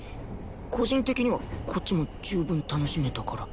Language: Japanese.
個人的にはこっちも十分楽しめたから。